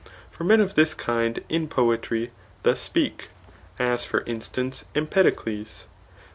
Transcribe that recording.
For men of this kind in poetry, thus speak ; as for instance Empedocles.